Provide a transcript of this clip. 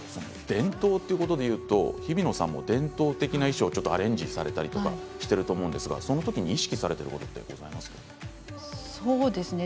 伝統ということでいうとひびのさんも伝統的な衣装をアレンジされたりとかしていると思うんですが、その時に意識されていることはそうですね。